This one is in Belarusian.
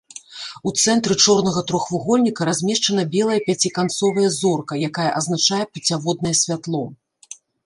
У цэнтры чорнага трохвугольніка размешчана белая пяціканцовая зорка, якая азначае пуцяводнае святло.